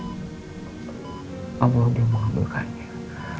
sampai akhirnya kamu mendapatkan musibah seperti ini